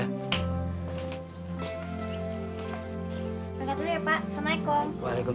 berangkat dulu ya pak assalamu'alaikum